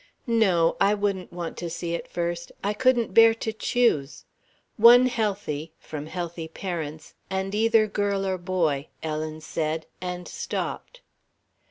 "No I wouldn't want to see it first I couldn't bear to choose. One healthy from healthy parents and either girl or boy," Ellen said, and stopped.